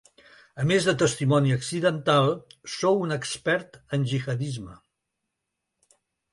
A més de testimoni accidental, sou un expert en gihadisme.